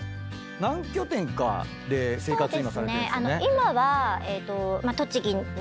何拠点かで生活今されてるんですよね。